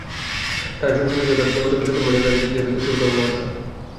তাঁর আচরণ সন্দেহজনক হওয়ায় গতকাল সকাল পর্যন্ত তাঁকে জিজ্ঞাসাবাদ করেন শুল্ক কর্মকর্তারা।